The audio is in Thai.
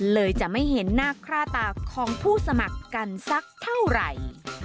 เลยจะไม่เห็นหน้าค่าตาของผู้สมัครกันสักเท่าไหร่